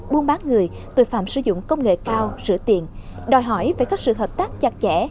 buôn bán người tội phạm sử dụng công nghệ cao rửa tiền đòi hỏi phải có sự hợp tác chặt chẽ